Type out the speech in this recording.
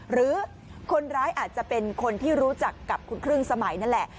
หรือคนร้ายอาจจะเป็นคนที่รู้จักกับคุณครึ่งสมัยนั่นแหละ